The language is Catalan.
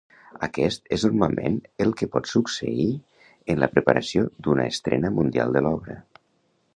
Aquest és normalment el que pot succeir en la preparació d'una estrena mundial de l'obra.